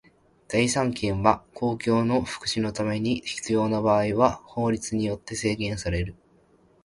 財産権は公共の福祉のために必要な場合には法律によって制限される。